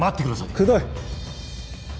くどい！